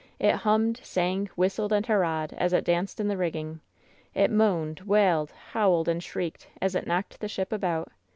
It hummed, sang, whistled and hurrahed, as it danced in the rigging. It moaned, wailed, howled and shrieked, as it knocked the ship about.